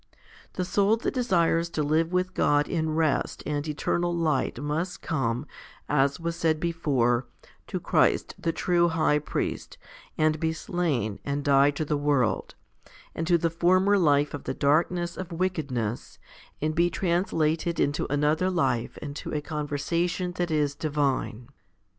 The soul that desires to live with God in rest and eternal light must come, as was said before, to Christ the true High priest, and be slain, and die to the world, and to the former life of the darkness of wickedness, and be translated into another life and to a conversation that is divine.